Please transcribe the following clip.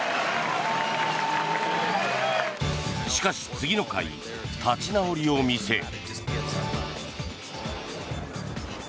しかし次の回立ち直りを見せ。